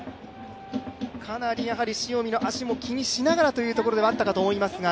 かなり塩見の足も気にしながらということではあったと思いますが。